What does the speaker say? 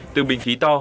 từ bình khí to